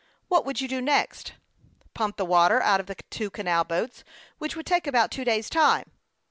" What would you do next ?"" Pump the water out of the two canal boats, which would take about two days' time."